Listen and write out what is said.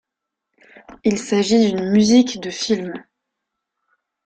Il s'agit d'une musique de film.